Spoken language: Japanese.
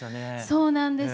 そうなんです。